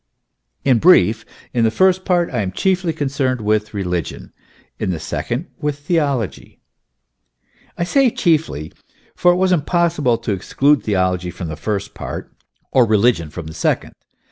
In brief, in the first part I am chiefly concerned with religion, in the second with theology : I say chiefly, for it was impossible to exclude theology from the first part, or religion from the second.